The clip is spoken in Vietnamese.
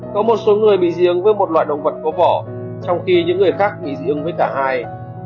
có một số người bị dị ứng với một loại động vật có vỏ trong khi những người khác bị dị ứng với cả hai